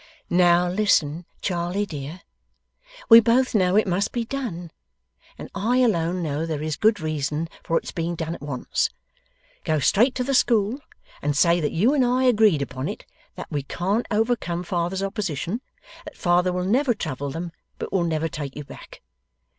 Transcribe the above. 'Now listen, Charley dear. We both know it must be done, and I alone know there is good reason for its being done at once. Go straight to the school, and say that you and I agreed upon it that we can't overcome father's opposition that father will never trouble them, but will never take you back.